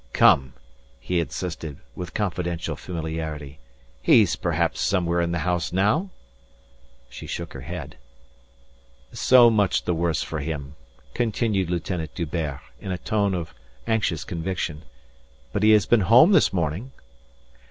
"Come," he insisted, with confidential familiarity. "He's perhaps somewhere in the house now?" She shook her head. "So much the worse for him," continued Lieutenant D'Hubert, in a tone of anxious conviction. "But he has been home this morning?"